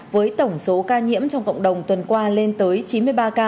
với tổng số ca nhiễm trong cộng đồng tuần qua lên tới chín mươi ba ca